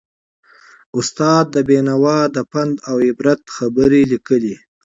استاد بینوا د پند او عبرت خبرې لیکلې.